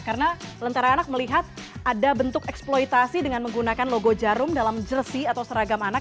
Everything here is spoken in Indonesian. karena lentera anak melihat ada bentuk eksploitasi dengan menggunakan logo jarum dalam jersi atau seragam anak